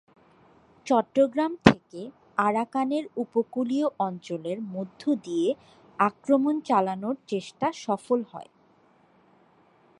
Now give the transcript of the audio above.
চট্টগ্রাম থেকে আরাকানের উপকূলীয় অঞ্চলের মধ্য দিয়ে আক্রমণ চালানোর চেষ্টা সফল হয়।